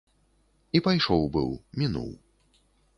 І пайшоў быў, мінуў.